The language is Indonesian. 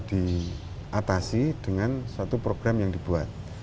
jadi ya memang bisa diatasi dengan satu program yang dibuat